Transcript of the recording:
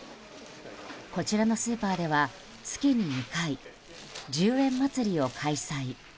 こちらのスーパーでは月に２回１０円まつりを開催。